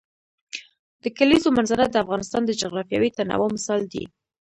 د کلیزو منظره د افغانستان د جغرافیوي تنوع مثال دی.